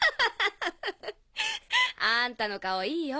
あんたの顔いいよ